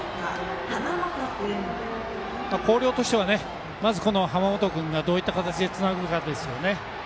広陵としては濱本君がどういった形でつなぐかですよね。